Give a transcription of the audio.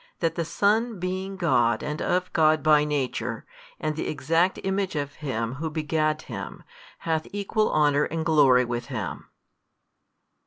That the Son being God and of God by Nature, and the Exact Image of Him Who begat Him, hath equal honour and glory with Him.